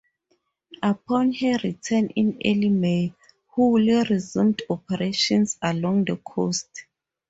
Upon her return in early May "Hull" resumed operations along the coast.